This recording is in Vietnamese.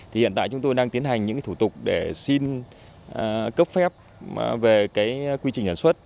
thì hiện tại chúng tôi đang tiến hành những cái thủ tục để xin cấp phép về cái quy trình sản xuất